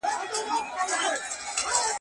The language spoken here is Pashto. په هغه دم به مي تا ته وي راوړی.